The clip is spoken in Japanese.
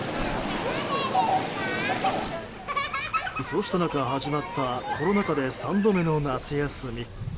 そうした中、始まったコロナ禍で３度目の夏休み。